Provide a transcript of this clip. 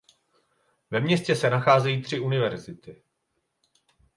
Ve městě se nacházejí tři univerzity.